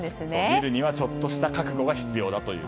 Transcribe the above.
見るにはちょっとした覚悟が必要だという。